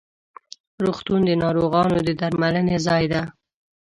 روغتون د ناروغانو د درملنې ځای ده.